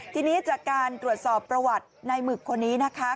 ทีนี้จากการตรวจสอบประวัติในหมึกคนนี้นะคะ